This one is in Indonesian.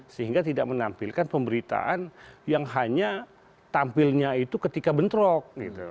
sehingga tidak menampilkan pemberitaan yang hanya tampilnya itu ketika bentrok